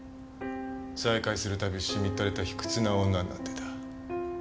再会するたびしみったれた卑屈な女になってた。